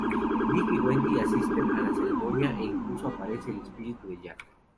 Dick y Wendy asisten a la ceremonia e incluso aparece el espíritu de Jack.